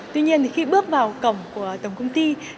tuy nhiên thì khi bước vào cổng